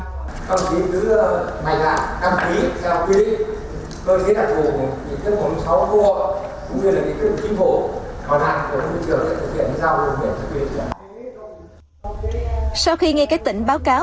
sau khi ngay các tỉnh báo cáo về tình hình hiện tại phó thủ tướng trần hồng hà yêu cầu sử dụng các dự án giao thông trọng điểm đặc biệt tình hình hiện tại đó là giải quyết vấn đề này